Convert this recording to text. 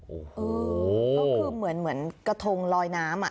โอ้โหเขาคือเหมือนเหมือนกระทงลอยน้ำอ่ะ